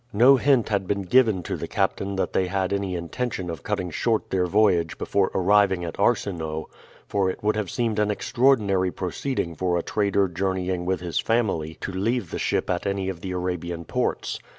No hint had been given to the captain that they had any intention of cutting short their voyage before arriving at Arsinoe, for it would have seemed an extraordinary proceeding for a trader journeying with his family to leave the ship at any of the Arabian ports.